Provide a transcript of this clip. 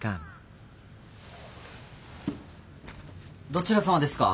どちら様ですか？